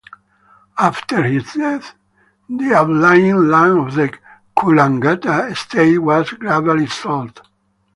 After his death the outlying land of the Coolangatta Estate was gradually sold.